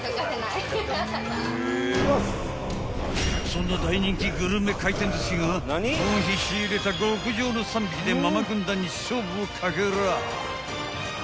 ［そんな大人気グルメ回転寿司がこの日仕入れた極上の３匹でママ軍団に勝負をかける］